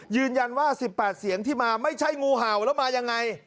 ยืนยันว่า๑๘เสียงที่มาไม่ใช่งูเห่าแล้วมายังไง